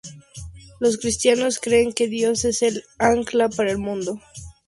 Los cristianos creen que Dios es el ancla para el mundo.